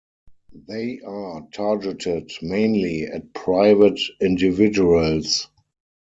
They are targeted mainly at private individuals.